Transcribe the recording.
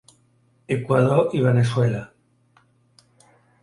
Equador i Veneçuela.